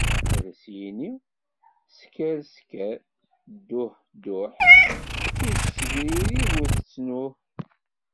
Ad as-yini: " Sekker sekker, dduḥ dduḥ, ur tettegririb ur tettnuh."